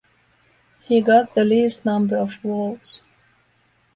He got the least number of votes.